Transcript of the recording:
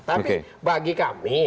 tapi bagi kami